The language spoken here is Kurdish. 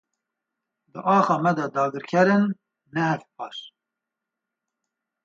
Di axa me de dagirker in, ne hevpar.